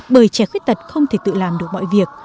bởi trẻ khuyết tật không thể tự làm được mọi việc